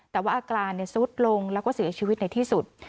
แต่ว่าอาการซุดลงแล้วก็เสียชีวิตในที่สุด